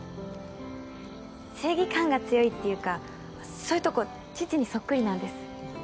正義感が強いっていうかそういうとこ父にそっくりなんです。